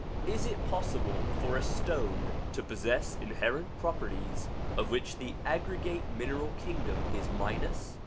Is it possible for a stone to possess inherent properties of which the aggregate mineral kingdom is minus